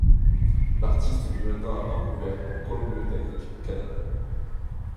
L'artiste vit maintenant à Vancouver, en Colombie-Britannique, Canada.